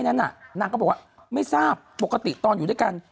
นางก็บอกว่าไม่ทราบปกติตอนอยู่ด้วยกัน